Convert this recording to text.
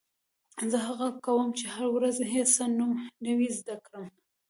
زه هڅه کوم، چي هره ورځ یو څه نوی زده کړم.